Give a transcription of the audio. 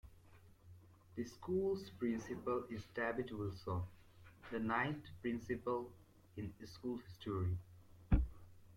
The school's principal is David Wilson, the ninth principal in school history.